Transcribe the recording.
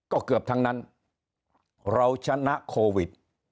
ก็เกือบทั้งนั้นเราชนะโควิด